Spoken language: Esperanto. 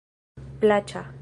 plaĉa